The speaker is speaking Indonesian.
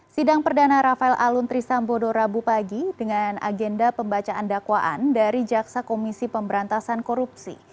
sidang perdana rafael alun trisambodo rabu pagi dengan agenda pembacaan dakwaan dari jaksa komisi pemberantasan korupsi